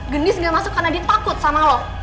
gendis nggak masuk karena dia takut sama lo